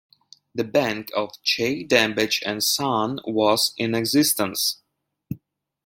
The bank of J. Dambauch and Son was in existence.